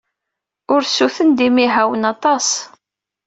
Ursuten d imihawen aṭas.